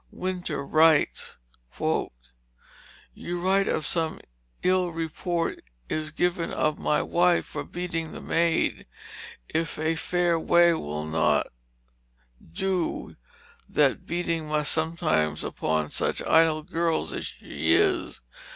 Wynter writes: "You write of some yll reports is given of my Wyfe for beatinge the maide: yf a faire way will not doe yt, beatinge must sometimes vppon such idle girrels as she is.